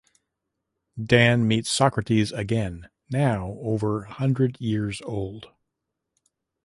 Dan meets Socrates again, now over hundred years old.